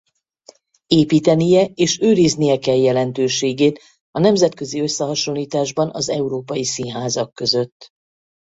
Építenie és őriznie kell jelentőségét a nemzetközi összehasonlításban az európai színházak között.